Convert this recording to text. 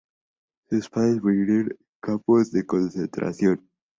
Sus padres murieron en campos de concentración.